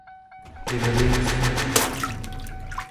Je veřejnosti nepřístupný.